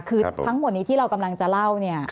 คือทั้งหมดนี้ที่เรากำลังจะเล่าเนี่ย